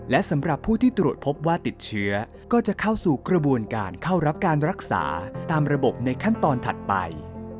และสำหรับผู้ที่ตรวจพบว่าติดเชื้อก็จะเข้าสู่กระบวนการเข้ารับการรักษาตามระบบในขั้นตอนถัดไป